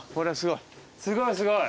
すごいすごい。